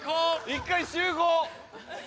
一回集合。